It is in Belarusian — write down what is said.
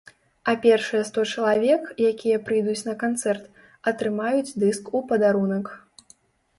А першыя сто чалавек, якія прыйдуць на канцэрт, атрымаюць дыск у падарунак.